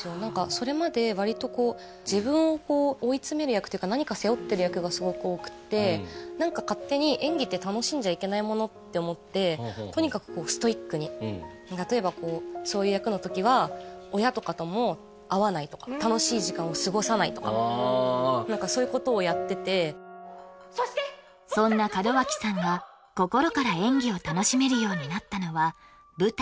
それまで割と自分を追い詰める役というか何か背負ってる役がすごく多くって何か勝手にって思ってとにかく例えばそういう役の時は親とかとも会わないとか何かそういうことをやっててそんな門脇さんが心から演技を楽しめるようになったのは舞台